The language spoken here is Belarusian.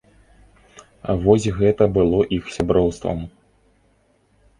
Вось гэта было іх сяброўствам.